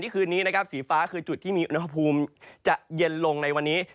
คืนนี้นะครับสีฟ้าคือจุดที่มีอุณหภูมิจะเย็นลงในวันนี้